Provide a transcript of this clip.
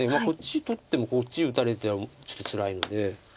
こっち取ってもこっち打たれたらちょっとつらいので。